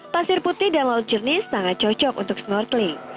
pasir putih dan laut jernih sangat cocok untuk snorkeling